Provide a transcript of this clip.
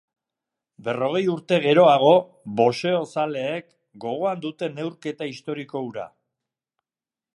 Berrogei urte geroago, boxeozaleek gogoan dute neurketa historiko hura.